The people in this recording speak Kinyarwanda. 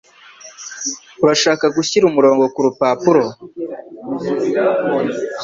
Urashaka gushyira umurongo kurupapuro